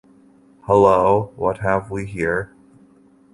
Hullo, what have we here?